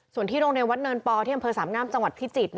ส่วนที่โรงเรียนวัดเนินปที่